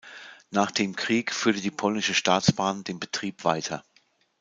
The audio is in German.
Nach dem Krieg führte die Polnische Staatsbahn den Betrieb weiter.